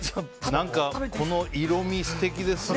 この色味、素敵ですね。